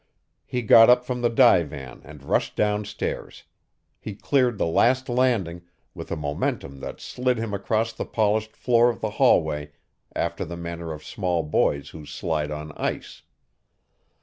He got up from the divan and rushed downstairs. He cleared the last landing, with a momentum that slid him across the polished floor of the hallway after the manner of small boys who slide on ice.